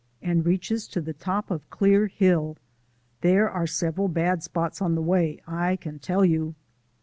and reaches to the top of Clear Hill. There are several bad spots on the way, I can tell you."